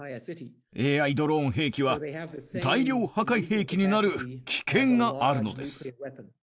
ＡＩドローン兵器は、大量破壊兵器になる危険があるのです。